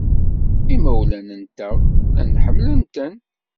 Imawlan-nteɣ llan ḥemmlen-ten.